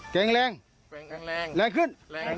แก่งแรงแรงขึ้น